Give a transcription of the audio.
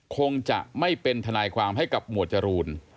คงจะไม่เป็นทนายความให้กับหมวดจรูน